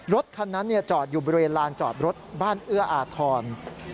รถคันนั้นจอดอยู่บริเวณลานจอดรถบ้านเอื้ออาทร